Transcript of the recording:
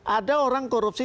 ada orang korupsi